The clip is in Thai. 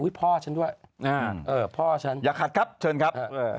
อย่าขัดครับชวนครับ